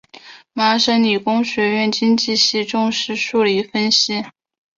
麻省理工学院经济系重视数理分析。